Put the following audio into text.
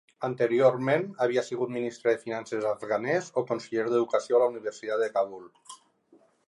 Anteriorment havia sigut Ministre de Finances afganes o conseller d'educació a la Universitat de Kabul.